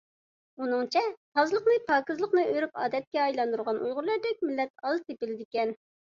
ئۇنىڭچە، تازىلىقنى، پاكىزلىقنى ئۆرپ-ئادەتكە ئايلاندۇرغان ئۇيغۇرلاردەك مىللەت ئاز تېپىلىدىكەن.